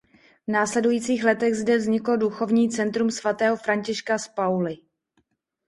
V následujících letech zde vzniklo Duchovní centrum svatého Františka z Pauly.